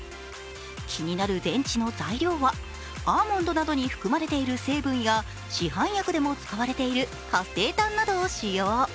気になる電池の材料はアーモンドなどに含まれている成分や市販薬でも使われている活性炭などを使用。